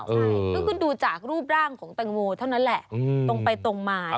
ใช่ก็คือดูจากรูปร่างของแตงโมเท่านั้นแหละตรงไปตรงมา